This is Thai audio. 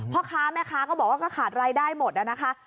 พ่อค้าแม่ค้าก็บอกว่าก็ขาดรายได้หมดนะคะ